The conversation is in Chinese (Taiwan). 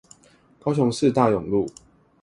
高雄市大勇路